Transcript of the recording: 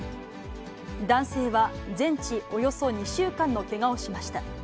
男性は、全治およそ２週間のけがをしました。